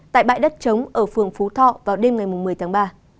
tại bãi đất trống ở phường phú thọ vào đêm ngày một mươi tháng ba